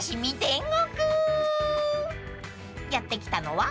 ［やって来たのは］